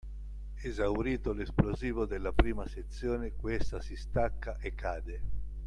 Esaurito l’esplosivo della prima sezione questa si stacca e cade